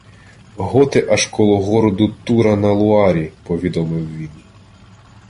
— Готи аж коло городу Тура на Луарі, — повідомив він.